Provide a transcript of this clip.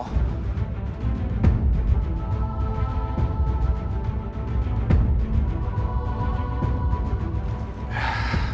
kamu harus berhenti